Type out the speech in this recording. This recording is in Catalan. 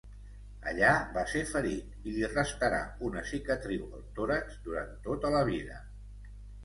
Allà va ser ferit i li restarà una cicatriu al tòrax durant tota la vida.